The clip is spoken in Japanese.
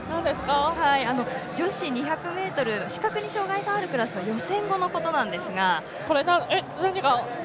女子２００ｍ視覚に障がいがある選手の予選後のことなんですが。